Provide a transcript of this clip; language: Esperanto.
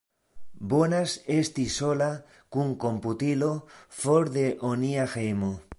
Bonas esti sola, kun komputilo, for de onia hejmo.